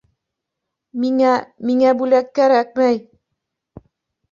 — Миңә... миңә бүләк кәрәкмәй...